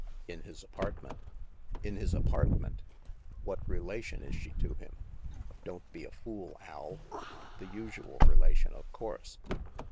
" In his apartment." " In his apartment? What relation is she to him?" " Don't be a fool, Al. The usual relation, of course."